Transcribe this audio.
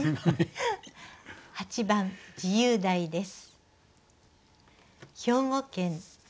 ８番自由題です。